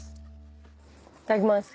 いただきます。